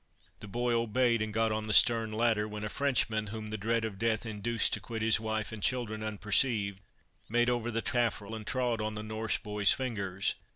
The boy obeyed, and got on the stern ladder, when a Frenchman whom the dread of death induced to quit his wife and children unperceived, made over the taffrail and trod on the Norse boy's fingers.